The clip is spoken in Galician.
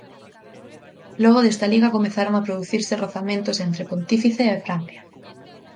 Logo desta liga comezaron a producirse rozamentos entre o Pontífice e Francia.